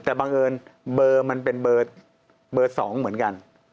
แต่บังเอิญเบอร์มันเป็นเบอร์๒เหมือนกัน